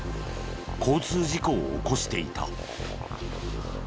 交通事故を起こしていた。